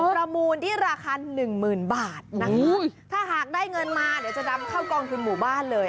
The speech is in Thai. ประมูลที่ราคาหนึ่งหมื่นบาทนะคะถ้าหากได้เงินมาเดี๋ยวจะนำเข้ากองทุนหมู่บ้านเลย